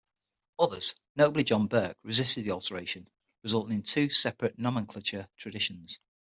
Others, notably John Burke, resisted the alteration, resulting in two separate nomenclature traditions.